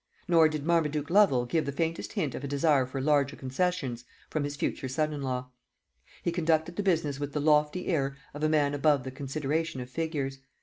Nor did Marmaduke Lovel give the faintest hint of a desire for larger concessions from his future son in law: he conducted the business with the lofty air of a man above the consideration of figures.